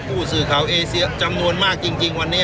ผู้สื่อข่าวเอเซียจำนวนมากจริงวันนี้